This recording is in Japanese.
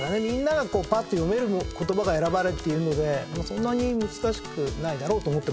みんながぱっと読める言葉が選ばれているのでそんなに難しくないだろうと。